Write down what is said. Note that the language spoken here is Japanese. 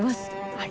はい。